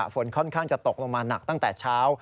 ฝนค่อนข้างจะตกลงมาหนักตั้งแต่เช้า